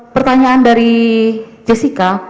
pertanyaan dari jessica